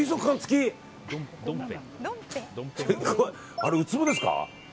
あれ、ウツボですか。